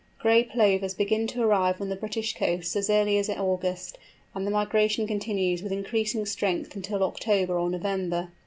Gray Plovers begin to arrive on the British coasts as early as August, and the migration continues with increasing strength until October or November.